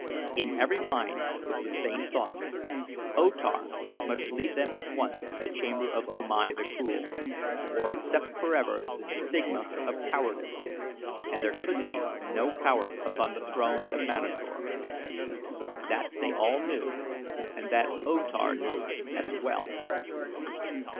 In every mind was the same thought O Tar must lead them at once to the chamber of O Mai the Cruel, or accept forever the stigma of cowardice, and there could be no coward upon the throne of Manator. That they all knew and that O Tar knew, as well.